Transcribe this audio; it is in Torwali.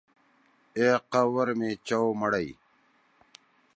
اے قبر می چوو مڑئ؟